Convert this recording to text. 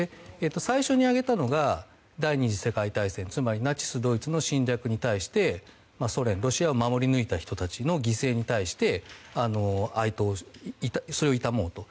最初に挙げたのが第２次世界大戦つまりナチスドイツの侵略に対して、ソ連、ロシアを守り抜いた人たちの犠牲に対して哀悼それを悼もうと。